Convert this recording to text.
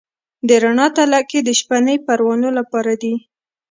د رڼا تلکې د شپنۍ پروانو لپاره دي؟